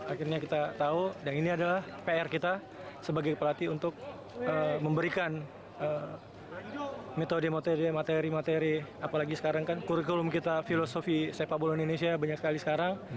akhirnya kita tahu dan ini adalah pr kita sebagai pelatih untuk memberikan metode materi materi apalagi sekarang kan kurikulum kita filosofi sepak bola indonesia banyak sekali sekarang